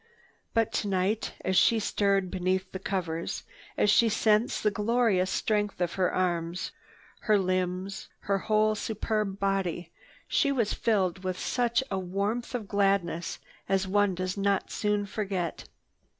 But tonight as she stirred beneath the covers, as she sensed the glorious strength of her arms, her limbs, her whole superb body, she was filled with such a warmth of gladness as one does not soon forget.